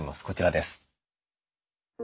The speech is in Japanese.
こちらです。